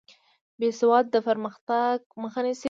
بې سوادي د پرمختګ مخه نیسي.